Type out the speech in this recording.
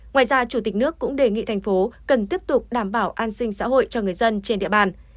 ngoài ra chủ tịch nước cũng đề nghị thành phố cần tiếp tục đảm bảo an sinh xã hội cho người dân trên địa bàn